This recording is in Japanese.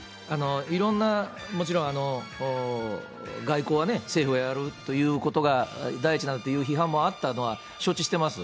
いろんな、もちろん、外交はね、政府がやるなんていうことが第一だっていう批判もあったことは承知してます。